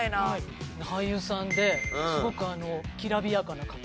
俳優さんですごくきらびやかな方。